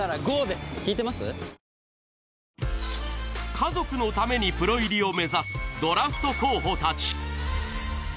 家族のためにプロ入りを目指すドラフト候補たち。